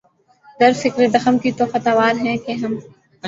گر فکرِ زخم کی تو خطاوار ہیں کہ ہم